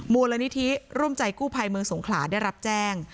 มูลนิธิร่วมใจกู้ภัยเมืองสงขลาได้รับแจ้ง